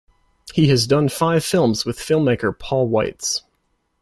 He has done five films with filmmaker Paul Weitz.